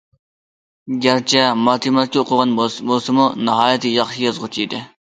گەرچە ماتېماتىكا ئوقۇغان بولسىمۇ، ناھايىتى ياخشى يازغۇچى ئىدى.